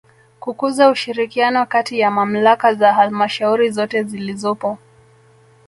Kukuza ushirikiano kati ya Mamlaka za Halmashauri zote zilizopo